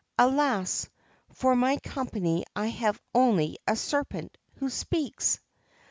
Alas I for my company I have only a serpent who speaks